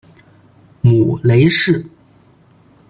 母雷氏。